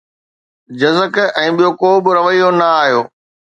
جزڪ ۽ ٻيو ڪو به رويو نه آيو